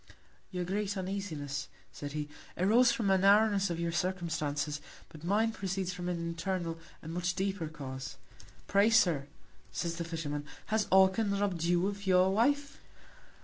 Your greatest Uneasiness, said he, arose from the Narrowness of your Circumstances; but mine proceeds from an internal, and much deeper Cause. Pray, Sir, said the Fisherman, has Orcan robb'd you of your Wife?